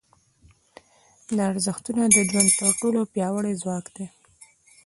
دا ارزښتونه د ژوند تر ټولو پیاوړي ځواک دي.